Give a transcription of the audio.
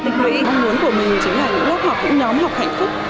mong muốn của mình chính là những lớp học những nhóm học hạnh phúc